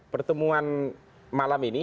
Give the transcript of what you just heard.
pertemuan malam ini